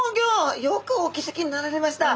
よくお気付きになられました。